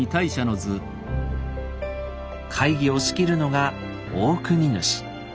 会議を仕切るのがオオクニヌシ。